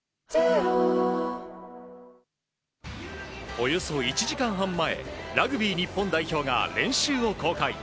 およそ１時間半前ラグビー日本代表が練習を公開。